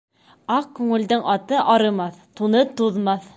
Аҡ күңелдең аты арымаҫ, туны туҙмаҫ.